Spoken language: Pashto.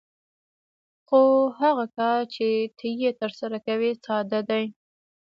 خو هغه کار چې ته یې ترسره کوې ساده دی